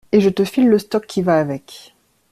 Et je te file le stock qui va avec.